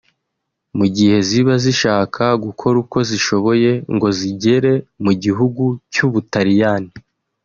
mu gihe ziba zishaka gukora uko zishoboye ngo zigere mu gihugu cy’u Butaliyani